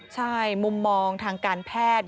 ใช่มุมมองทางการแพทย์